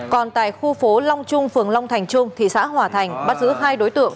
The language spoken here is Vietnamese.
còn tại khu phố long trung phường long thành trung thị xã hòa thành bắt giữ hai đối tượng